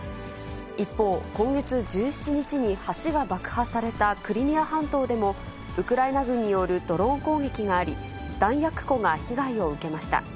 一方、今月１７日に橋が爆破されたクリミア半島でも、ウクライナ軍によるドローン攻撃があり、弾薬庫が被害を受けました。